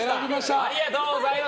ありがとうございます。